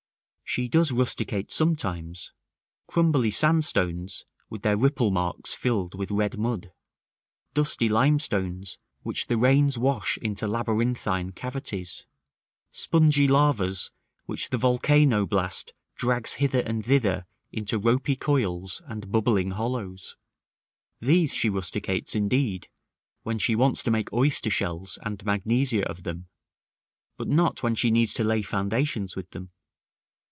She does rusticate sometimes: crumbly sand stones, with their ripple marks filled with red mud; dusty lime stones, which the rains wash into labyrinthine cavities; spongy lavas, which the volcano blast drags hither and thither into ropy coils and bubbling hollows; these she rusticates, indeed, when she wants to make oyster shells and magnesia of them; but not when she needs to lay foundations with them.